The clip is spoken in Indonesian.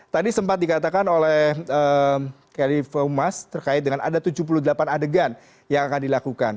tadi sempat dikatakan oleh kri fumas terkait dengan ada tujuh puluh delapan adegan yang akan dilakukan